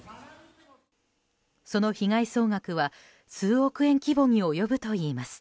その被害総額は数億円規模に及ぶといいます。